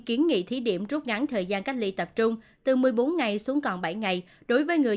kiến nghị thí điểm rút ngắn thời gian cách ly tập trung từ một mươi bốn ngày xuống còn bảy ngày đối với người